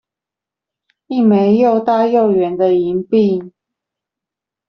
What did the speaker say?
一枚又大又圓的銀幣